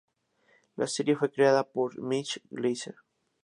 La serie fue creada por Mitch Glazer.